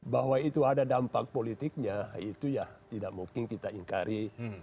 bahwa itu ada dampak politiknya itu ya tidak mungkin kita ingkari